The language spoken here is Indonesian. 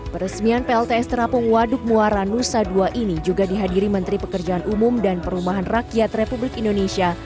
peresmian plts terapung waduk muara nusa dua ini juga dihadiri menteri pekerjaan umum dan perumahan rakyat republik indonesia